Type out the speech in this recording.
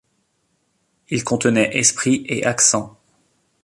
Il contenait esprits et accents.